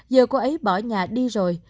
giờ cô ấy bỏ nhà đi rồi